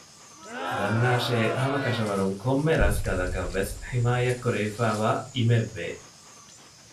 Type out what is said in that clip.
ދަންނާށޭ ހަމަކަށަވަރުން ކޮންމެ ރަސްކަލަކަށް ވެސް ޙިމާޔަތް ކުރެވިފައިވާ އިމެއް ވޭ